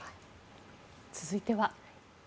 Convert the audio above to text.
続いては。